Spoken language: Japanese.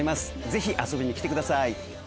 ぜひ遊びに来てください。